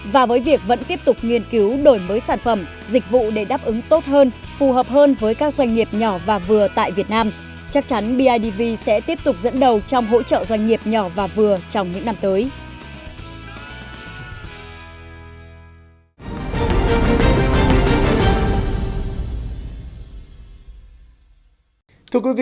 và với việc vẫn tiếp tục nghiên cứu đổi pháp đối phó đối phó đối phó đối phó đối phó đối phó đối phó đối phó